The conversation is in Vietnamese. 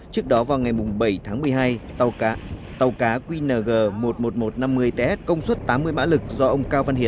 trước đó vào ngày bảy tháng một mươi hai tàu cá qng một mươi một nghìn một trăm năm mươi ts công suất tám mươi mã lực do ông cao văn hiến